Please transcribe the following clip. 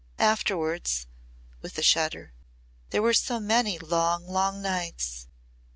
Afterwards " with a shudder, "there were so many long, long nights.